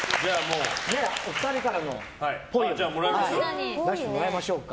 お二人からのっぽいを出してもらいましょうか。